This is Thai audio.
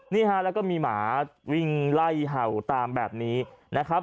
นี่ฮะแล้วก็มีหมาวิ่งไล่เห่าตามแบบนี้นะครับ